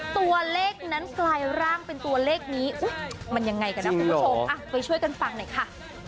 ตัวเลขนั้นกลายร่างเป็นตัวเลขนี้มันยังไงกันนะคุณผู้ชมไปช่วยกันฟังหน่อยค่ะ